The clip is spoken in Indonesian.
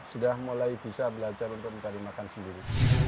sudah mulai bisa belajar untuk mencari makan sendiri